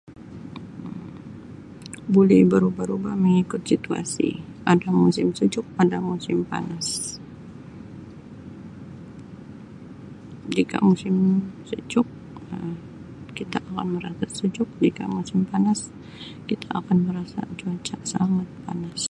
Bulih berubah-rubah mengikut situasi ada musim sejuk ada musim panas jika musim sejuk Um kita akan merasa sejuk jika musim panas kita akan merasa cuaca sangat panas.